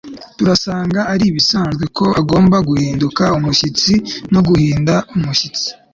Turasanga ari ibisanzwe ko agomba guhinduka umushyitsi no guhinda umushyitsi